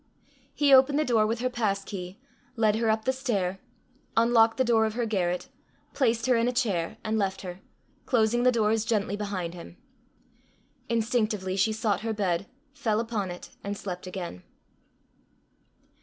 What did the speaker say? He opened the door with her pass key, led her up the stair, unlocked the door of her garret, placed her in a chair, and left her, closing the doors gently behind him. Instinctively she sought her bed, fell upon it, and slept again.